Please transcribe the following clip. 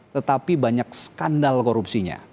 tetapi banyak skandal korupsinya